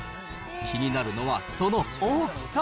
気になるのはその大きさ。